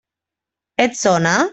Et sona?